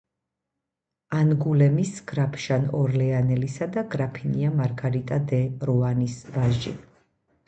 ანგულემის გრაფ ჟან ორლეანელისა და გრაფინია მარგარიტა დე როანის ვაჟი.